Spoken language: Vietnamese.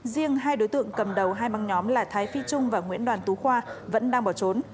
riêng hai đối tượng cầm đầu hai băng nhóm là thái phi trung và nguyễn đoàn tú khoa vẫn đang bỏ trốn